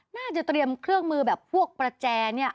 เตรียมเครื่องมือแบบพวกประแจเนี่ย